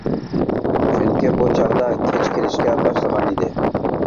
چۈنكى بۇ چاغدا كەچ كىرىشكە باشلىغان ئىدى.